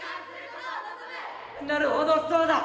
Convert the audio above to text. なるほどそうだ。